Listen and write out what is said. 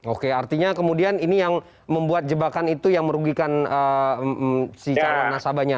oke artinya kemudian ini yang membuat jebakan itu yang merugikan si calon nasabahnya